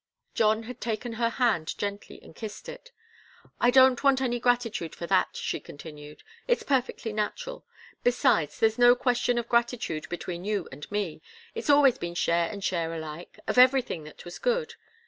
John had taken her hand gently and kissed it. "I don't want any gratitude for that," she continued. "It's perfectly natural. Besides, there's no question of gratitude between you and me. It's always been share and share alike of everything that was good.